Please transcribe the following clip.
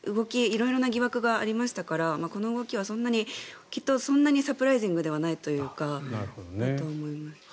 色々な疑惑がありましたからこの動きはそんなにサプライジングではないと思います。